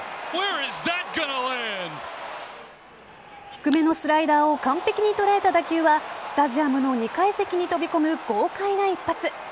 低めのスライダーを完璧に捉えた打球はスタジアムの２階席に飛び込む豪快な一発。